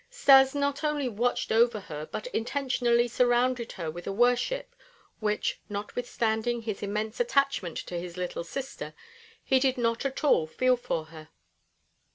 Stas not only watched over her but intentionally surrounded her with a worship which, notwithstanding his immense attachment to his little sister, he did not at all feel for her.